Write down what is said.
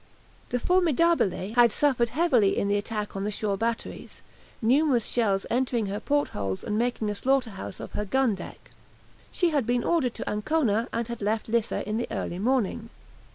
The "Formidabile" had suffered heavily in the attack on the shore batteries, numerous shells entering her port holes and making a slaughterhouse of her gun deck. She had been ordered to Ancona, and had left Lissa in the early morning.